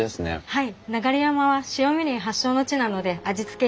はい。